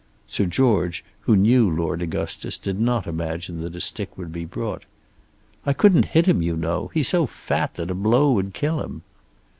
Sir George who knew Lord Augustus did not imagine that a stick would be brought. "I couldn't hit him, you know. He's so fat that a blow would kill him."